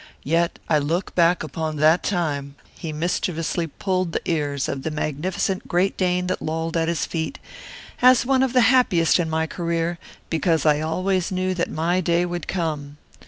Yet I look back upon that time' he mischievously pulled the ears of the magnificent Great Dane that lolled at his feet 'as one of the happiest in my career, because I always knew that my day would come.